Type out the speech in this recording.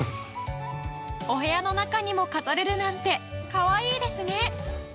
お部屋の中にも飾れるなんてかわいいですね